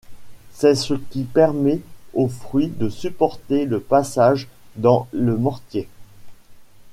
C'est ce qui permet au fruit de supporter le passage dans le mortier.